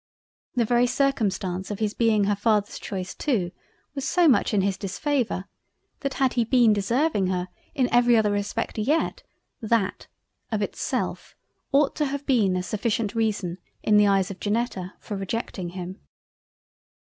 The very circumstance of his being her father's choice too, was so much in his disfavour, that had he been deserving her, in every other respect yet that of itself ought to have been a sufficient reason in the Eyes of Janetta for rejecting him.